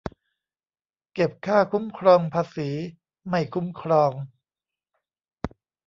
เก็บค่าคุ้มครองภาษี ไม่คุ้มครอง